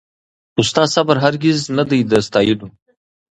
خو ستا صبر هرګز نه دی د ستایلو